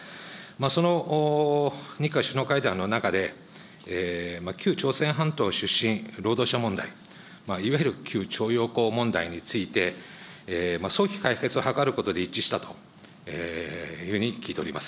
その日韓首脳会談の中で、旧朝鮮半島出身労働者問題、いわゆる旧徴用工問題について、早期解決を図ることで一致したというふうに聞いております。